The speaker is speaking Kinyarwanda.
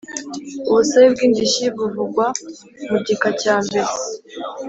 Ubusabe bw indishyi buvugwa mu gika cya mbere